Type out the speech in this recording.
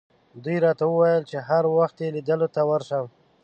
دوی راته وویل چې هر وخت یې لیدلو ته ورشم.